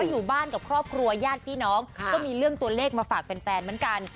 อยู่บ้านกับครอบครัวญาติพี่น้องก็มีเรื่องตัวเลขมาฝากแฟนเหมือนกัน